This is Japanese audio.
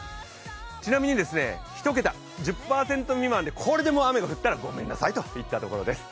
ちなみに１桁１０％未満でこれで雨が降ったら、ごめんなさいといったところです。